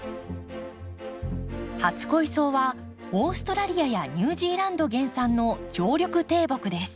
初恋草はオーストラリアやニュージーランド原産の常緑低木です。